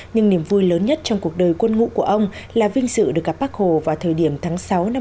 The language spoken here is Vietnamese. nhưng niềm vui lớn nhất trong cuộc đời quân ngũ của ông là vinh sự được gặp bác hồ vào thời điểm tháng sáu năm một nghìn chín trăm năm mươi chín